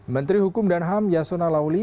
menteri hukum dan ham yasuna lawli